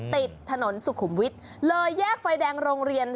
ติดถนนสุขุมวิทย์เลยแยกไฟแดงโรงเรียน